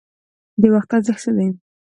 د وخت ارزښت څه دی؟